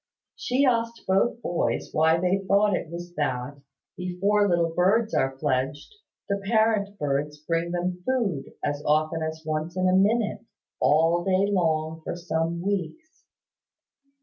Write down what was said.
She asked both the boys why they thought it was that, before little birds are fledged, the parent birds bring them food, as often as once in a minute, all day long for some weeks.